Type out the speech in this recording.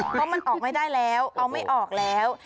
เพราะมันออกไม่ได้แล้ว